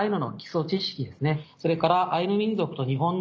それから。